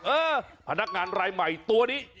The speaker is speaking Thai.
เออพนักงานรายใหม่ตัวนี้